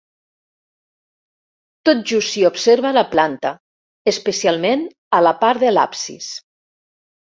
Tot just s'hi observa la planta, especialment a la part de l'absis.